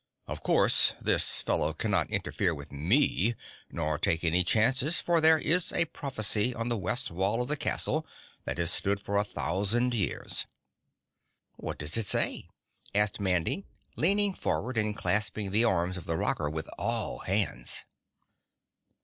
"Of course this fellow cannot interfere with me nor take any chances for there is a prophecy on the west wall of the castle that has stood for a thousand years." "What does it say?" asked Mandy, leaning forward and clasping the arms of the rocker with all hands.